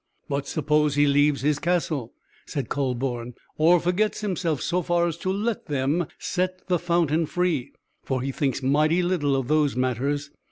"But suppose he leaves his castle," said Kühleborn, "or forgets himself so far as to let them set the fountain 'free,' for he thinks mighty little of those matters."